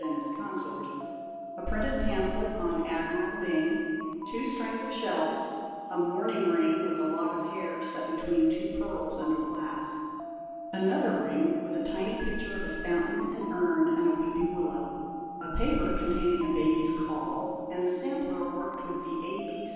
and his consort; a printed pamphlet on Admiral Byng; two strings of shells; a mourning ring with a lock of hair set between two pearls under glass; another ring with a tiny picture of a fountain and urn, and a weeping willow; a paper containing a baby's caul and a sampler worked with the A.